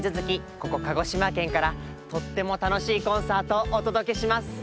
ここ鹿児島県からとってもたのしいコンサートをおとどけします。